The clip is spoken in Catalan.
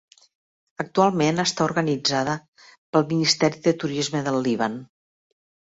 Actualment està organitzada pel Ministeri de Turisme del Líban.